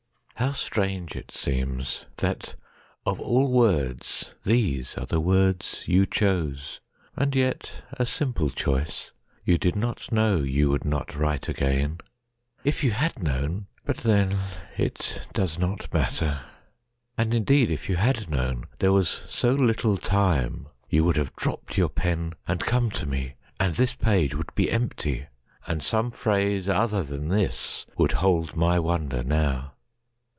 How strange it seemsThat of all words these are the words you chose! And yet a simple choice; you did not knowYou would not write again. If you had known—But then, it does not matter,—and indeedIf you had known there was so little timeYou would have dropped your pen and come to meAnd this page would be empty, and some phraseOther than this would hold my wonder now.